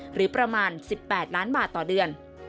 หรือประมาณ๑๘ล้านบาทต่อเดือน